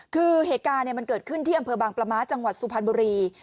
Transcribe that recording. คือเหตุการณ์มันเกิดขึ้นที่อำเภอบางประม้าจังหวัดสุพรรณบุรี